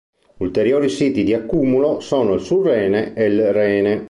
Ulteriori siti di accumulo sono il surrene e il rene.